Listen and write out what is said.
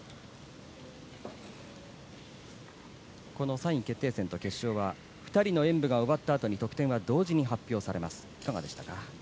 この３位決定戦と決勝は２人の演武が終わったあとに得点が同時に発表されます。